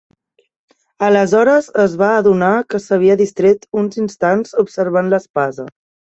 Aleshores es va adonar que s'havia distret uns instants observant l'espasa.